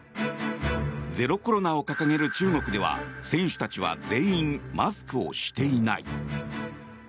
ゼロコロナを掲げる中国では選手たちは全員マスクをしていない。